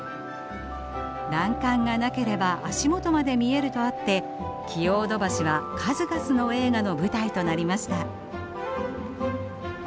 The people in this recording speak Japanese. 欄干がなければ足元まで見えるとあってキオード橋は数々の映画の舞台となりました。